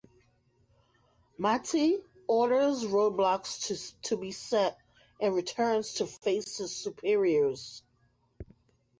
Mattei orders roadblocks to be set, and returns to face his superiors.